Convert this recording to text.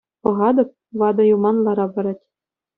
Пӑхатӑп — ватӑ юман лара парать.